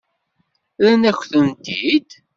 Rran-akent-tent-id?